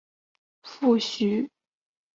父徐灏。